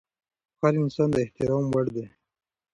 هر انسان د احترام وړ دی.